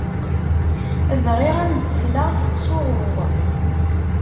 Bɣiɣ ad m-d-sleɣ tettsuɣuḍ.